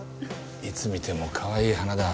いつ見てもかわいい花だ。